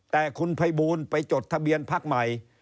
แต่คุณภัยบูลไปจดทะเบียนพักใหม่